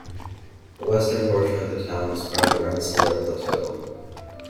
The western portion of the town is part of the Rensselaer Plateau.